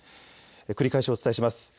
繰り返しお伝えします。